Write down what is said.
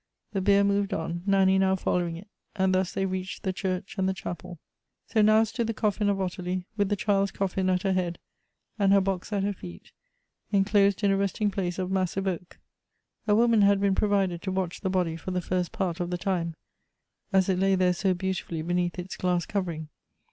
The bier moved on, Nanny now following it ; and thus they reached the church and the chapel. So now stood the coffin of Ottilie, with the child's coffin at her head, and her box at her feet, inclosed in a resting place of massive oak. A woman had been provided to watch the body for the first part of the time, as it lay there so beautifully beneath its glass covering.